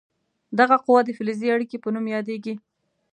دغه قوه د فلزي اړیکې په نوم یادیږي.